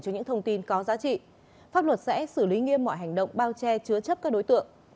cho những thông tin có giá trị pháp luật sẽ xử lý nghiêm mọi hành động bao che chứa chấp các đối tượng